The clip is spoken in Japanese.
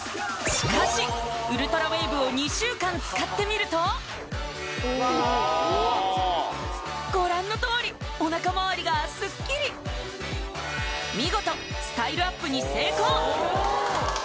しかしウルトラウェーブを２週間使ってみるとあっご覧のとおりおなかまわりがスッキリ見事スタイルアップに成功